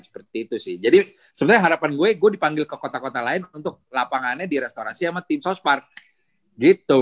seperti itu sih jadi sebenernya harapan gue gue dipanggil ke kota kota lain untuk lapangannya di restorasi sama tim south park gitu